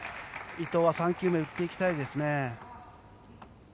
伊藤は３球目打っていきたいですね。